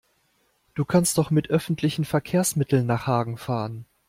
Du kannst doch mit öffentlichen Verkehrsmitteln nach Hagen fahren